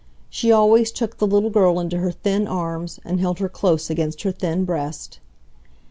She always took the little girl into her thin arms and held her close against her thin breast.